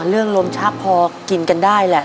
เรื่องลมชักพอกินกันได้แหละ